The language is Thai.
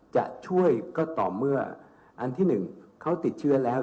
จะช่วยก็ต่อเมื่ออันที่หนึ่งเขาติดเชื้อแล้ว